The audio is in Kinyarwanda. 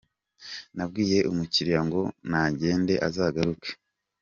Nabwiye umukiliya ngo nagende azagaruke